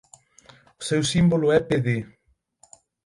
O seu símbolo é Pd.